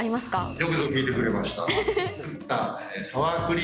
よくぞ聞いてくれました！